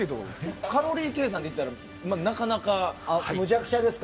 カロリー計算だとなかなかむちゃくちゃですか。